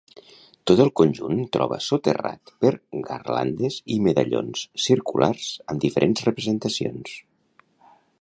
Tot el conjunt troba soterrat per garlandes i medallons circulars, amb diferents representacions.